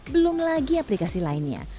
belum lagi aplikasi lainnya